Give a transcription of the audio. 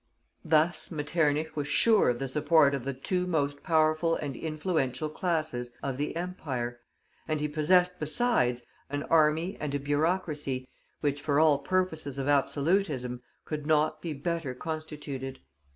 Thus Metternich was sure of the support of the two most powerful and influential classes of the empire, and he possessed besides an army and a bureaucracy, which for all purposes of absolutism could not be better constituted.